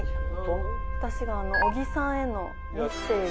私が小木さんへのメッセージを。